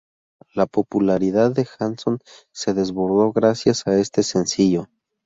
La popularidad de Hanson se desbordó gracias a este sencillo.